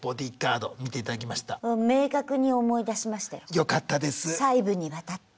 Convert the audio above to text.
よかったです。